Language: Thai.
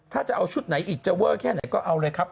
ถ้าจะเอาชุดไหนอีกจะเวอร์แค่ไหนก็เอาเลยครับ